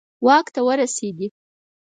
واک ته ورسېدي.